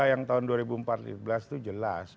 pp tujuh puluh dua yang tahun dua ribu empat belas itu jelas